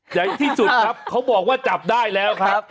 ใหญ่ที่สุดครับเขาบอกว่าจับได้แล้วครับ